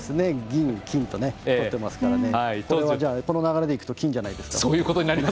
銀、金ととっていますからこの流れでいくと金じゃないですか。